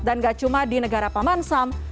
dan gak cuma di negara pemansam